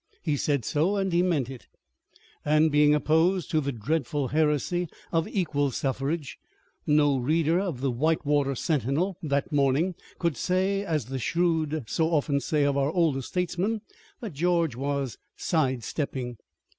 He said so and he meant it. And, being opposed to the dreadful heresy of equal suffrage, no reader of the Whitewater Sentinel that morning could say, as the shrewd so often say of our older statesmen, that George was "side stepping."